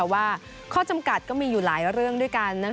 ว่าข้อจำกัดก็มีอยู่หลายเรื่องด้วยกัน